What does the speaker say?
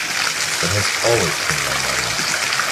That has always been my model.